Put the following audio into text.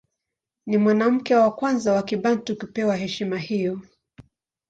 Ni mwanamke wa kwanza wa Kibantu kupewa heshima hiyo.